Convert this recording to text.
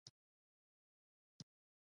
ممتاز د ځان په جال کې ګیر دی